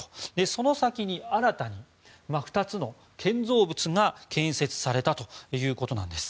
その先に新たに２つの建造物が建設されたということなんです。